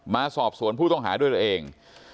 มาสอบสวนผู้ต้องหาด้วยตัวเอง